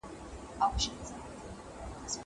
نه مي ارغند له زړه څه ځي نه مینه پال ووتی